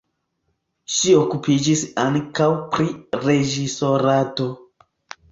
Ŝi okupiĝis ankaŭ pri reĝisorado.